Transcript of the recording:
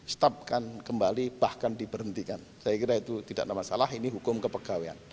saya kira itu tidak ada masalah ini hukum kepegawaian